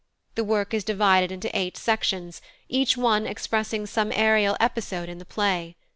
The work is divided into eight sections, each one expressing some Ariel episode in the play.